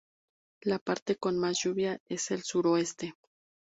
La parte con más lluvia es el suroeste.